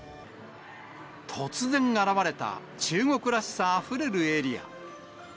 突然現れた、中国らしさあふれるエリア。